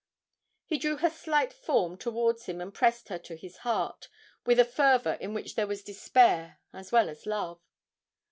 He drew her slight form towards him and pressed her to his heart with a fervour in which there was despair as well as love.